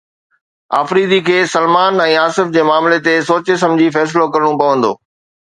آفريدي کي سلمان ۽ آصف جي معاملي تي سوچي سمجهي فيصلو ڪرڻو پوندو